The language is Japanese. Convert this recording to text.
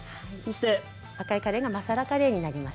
赤いカレーがマサラカレーになります。